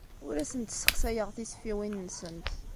Ur asent-ssexsayeɣ tisfiwin-nsent.